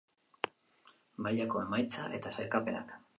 Mailako emaitza eta sailkapenak.